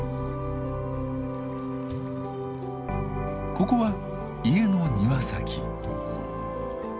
ここは家の庭先。